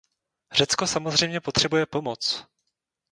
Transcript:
Řecko samozřejmě potřebuje pomoc.